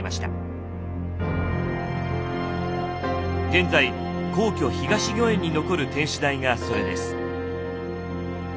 現在皇居東御苑に残る天守台がそれです。